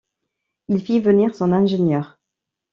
Il fit venir son ingénieur.